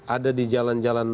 ada di jalan jalan